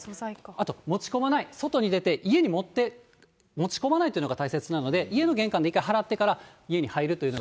あと、持ち込まない、外に出て、家に持って、持ち込まないっていうのが大切なので、家の玄関で一回払ってから、家に入るというのが。